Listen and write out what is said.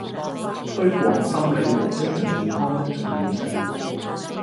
推廣心理和精神健康的重要性